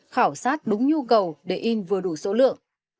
khảo sát đúng nhu cầu để in vừa đủ số lượng